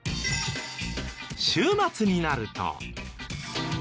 週末になると。